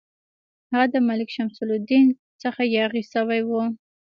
هغه د ملک شمس الدین څخه یاغي شوی وو.